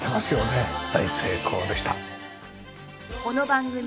大成功でした。